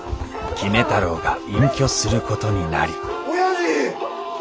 杵太郎が隠居することになり親父！